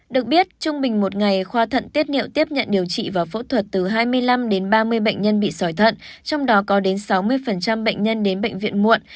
được biết trung bình một ngày khoa thận tiết niệu tiếp nhận điều trị và phẫu thuật từ hai mươi năm đến ba mươi bệnh nhân bị sỏi thận trong đó có đến sáu mươi bệnh nhân đến bệnh viện muộn